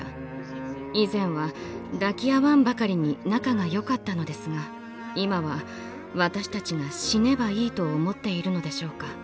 以前は抱き合わんばかりに仲がよかったのですが今は私たちが死ねばいいと思っているのでしょうか。